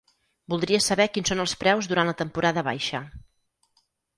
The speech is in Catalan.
Voldria saber quins son els preus durant la temporada baixa.